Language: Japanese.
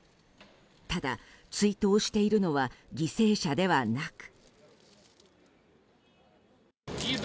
ただ、追悼しているのは犠牲者ではなく。